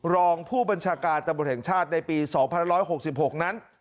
รองผู้บัญชาการตำรวจแห่งชาติในปี๒๑๖๖นั้น